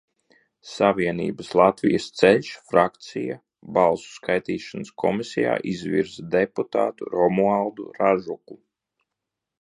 "Savienības "Latvijas ceļš" frakcija Balsu skaitīšanas komisijā izvirza deputātu Romualdu Ražuku."